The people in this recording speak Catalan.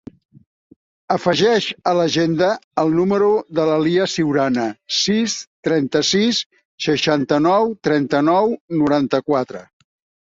Afegeix a l'agenda el número de la Lia Ciurana: sis, trenta-sis, seixanta-nou, trenta-nou, noranta-quatre.